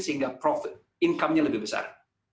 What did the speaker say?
sehingga profit income nya lebih besar